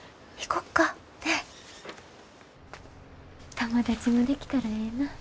友達もできたらええなぁ。